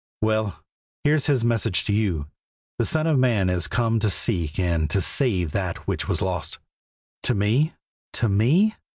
"Well, here's His message to you: 'The Son of Man is come to seek and to save that which was lost.'" "To me? To me?"